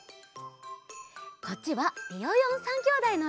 こっちはビヨヨン３きょうだいのえ。